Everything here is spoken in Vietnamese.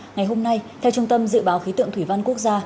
ngày hôm nay theo trung tâm dự báo khí tượng thủy văn quốc gia